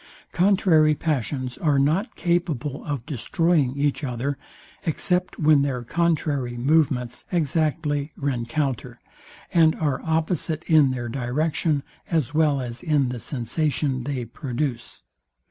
Contrary passions are not capable of destroying each other, except when their contrary movements exactly rencounter, and are opposite in their direction, as well as in the sensation they produce.